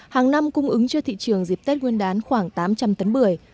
hàng năm cung ứng cho thị trường dịp tết nguyên đán khoảng tám trăm linh tấn bưởi